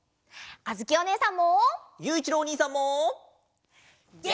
あづきおねえさん！